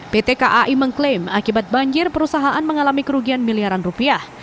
pt kai mengklaim akibat banjir perusahaan mengalami kerugian miliaran rupiah